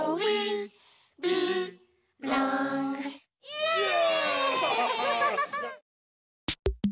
イエイ！